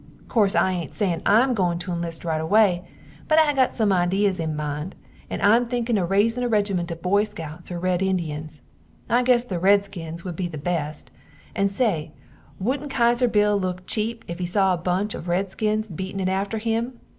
Corse I aint sayin Im goin to inlist rite away but I got some ideas in mind and Im thinking of raisin a regiment of boy scouts or Red Indians, I guess the Red skins wood be the best, and say woodnt Kaiser Bill look chepe if he saw a bunch of Red Skins beatin it after him?